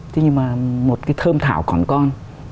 thế nhưng mà một cái thơm thảo còn con